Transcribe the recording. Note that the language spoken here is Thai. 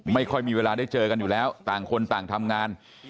ไม่ค่อยมีเวลาได้เจอกันอยู่แล้วต่างคนต่างทำงาน